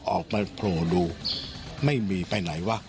ออกมาโผล่ดูไม่มีไปไหนวะ